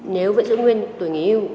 nếu vệ trưởng nguyên tuổi nghỉ hưu